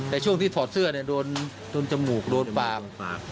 แต่ช่วงที่ถอดเสื้อโดนจมูกโดนบาง